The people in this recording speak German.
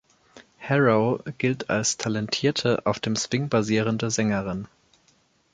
Harrow gilt als talentierte, auf dem Swing basierende Sängerin.